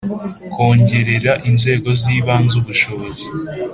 Kongerera inzego z ibanze ubushobozi